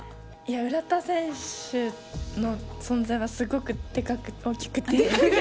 浦田選手の存在はすごくでかく大きくて。